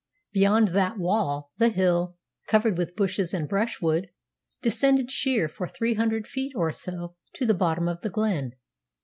Beyond that wall, the hill, covered with bushes and brushwood, descended sheer for three hundred feet or so to the bottom of the glen.